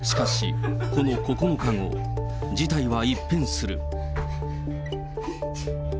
しかしこの９日後、事態は一変する。